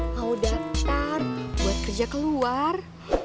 mau daftar buat kerja keluar